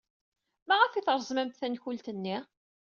Maɣef ay treẓmemt tankult-nni?